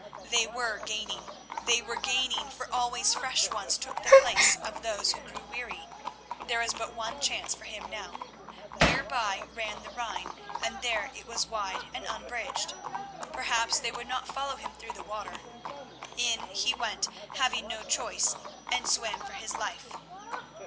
They were gaining, they were gaining, for always fresh ones took the place of those who grew weary. There was but one chance for him now. Near by ran the Rhine, and here it was wide and unbridged. Perhaps they would not follow him through the water. In he went, having no choice, and swam for his life.